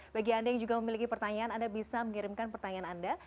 bagi anda yang juga memiliki pertanyaan anda bisa mengirimkan pertanyaan anda